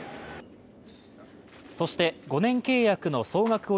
そして、５年契約の総額